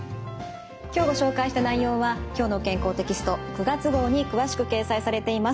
今日ご紹介した内容は「きょうの健康」テキスト９月号に詳しく掲載されています。